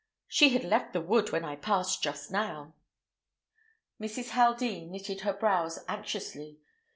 She had left the wood when I passed just now." Mrs. Haldean knitted her brows anxiously.